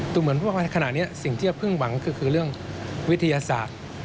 ตรงเหมือนพวกเราขนาดนี้สิ่งที่เราเพิ่งหวังคือคือเรื่องวิทยาศาสตร์